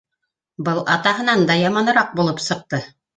Был атаһынан да яманыраҡ булып сыҡты.